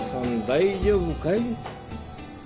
大丈夫かい？